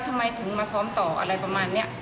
ทำไมถึงมาซ้อมต่ออะไรประมาณนี้